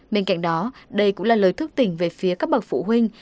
bên cạnh đó đây cũng là lời thước tỉnh về phía các bậc phụ huynh